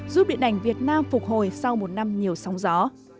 giúp điện ảnh việt nam phục hồi sau một năm nhiều sóng gió